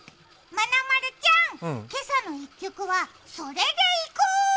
まなまるちゃん、「けさの１曲」はそれでいこう！